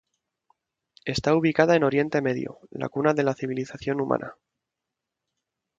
Está ubicada en Oriente Medio, la cuna de la civilización humana.